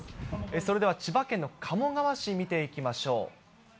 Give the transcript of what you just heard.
それでは千葉県の鴨川市、見ていきましょう。